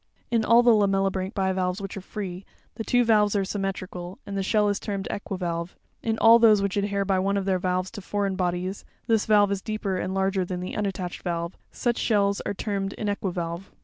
In all the lamellibranch bivalves which are free, the two valves are symmetrical, and the shell is termed equivalve ; in all those which adhere by one of their valves to foreign bodies, this valve is deeper and larger than the unattached valve ; such shells are termed inequivalve.